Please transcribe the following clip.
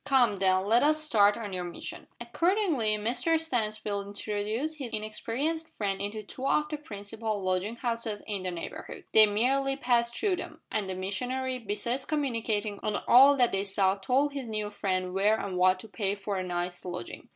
Come, then, let us start on our mission." Accordingly Mr Stansfield introduced his inexperienced friend into two of the principal lodging houses in that neighbourhood. They merely passed through them, and the missionary, besides commenting on all that they saw, told his new friend where and what to pay for a night's lodging.